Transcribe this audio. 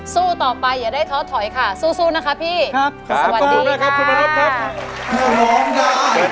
สู้ต่อไปอย่าได้ท้อถอยค่ะสู้สู้นะคะพี่ครับสวัสดีค่ะ